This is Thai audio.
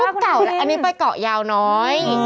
ตอนเก่าอันนี้ก็เกาะยาวน้อย